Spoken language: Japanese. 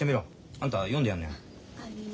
あんた読んでやんなよ。